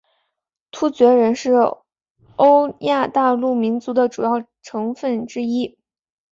突厥人是欧亚大陆民族的主要成份之一。